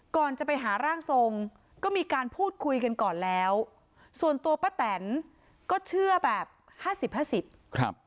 ก่อนจะไปหาร่างทรงก็มีการพูดคุยกันก่อนแล้วส่วนตัวป้าแตนก็เชื่อแบบห้าสิบห้าสิบครับ